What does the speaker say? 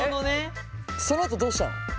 そのあとどうしたの？